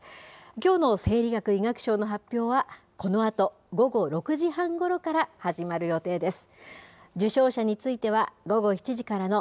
きょうの生理学・医学賞の発表は、このあと午後６時半ごろから始まる予定です。